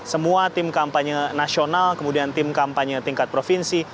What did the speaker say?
semua tim kampanye nasional kemudian tim kampanye tingkat provinsi